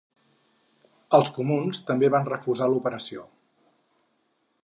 Els comuns també van refusar l’operació.